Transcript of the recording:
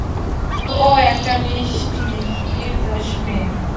ও একটা মিষ্টি, নির্দোষ মেয়ে।